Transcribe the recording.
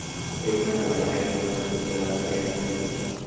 কিন্তু আমার এখনো ধৈর্য আছে এন্টন।